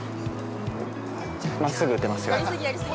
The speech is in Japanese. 真っすぐ打てますよ！